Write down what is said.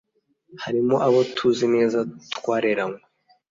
Harimo abo tuzi neza twareranywe